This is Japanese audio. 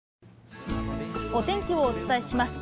お天気をお伝えします。